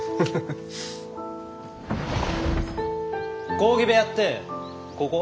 講義部屋ってここ？